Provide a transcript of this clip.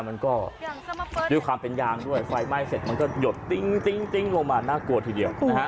มันก็ด้วยความเป็นยางด้วยไฟไหม้เสร็จมันก็หยดติ๊งลงมาน่ากลัวทีเดียวนะฮะ